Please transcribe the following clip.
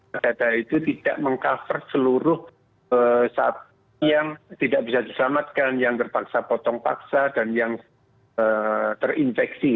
karena ya data itu tidak meng cover seluruh sapi yang tidak bisa diselamatkan yang terpaksa potong paksa dan yang terinfeksi